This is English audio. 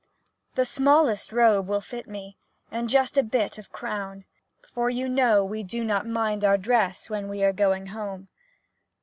The smallest "robe" will fit me, And just a bit of "crown;" For you know we do not mind our dress When we are going home.